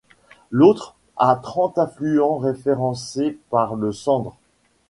L'Authre a trente affluents référencés par le Sandre.